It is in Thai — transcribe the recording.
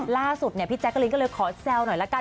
ล่าสุดเนี่ยพี่แจ๊กกะลินก็เลยขอแซวหน่อยละกัน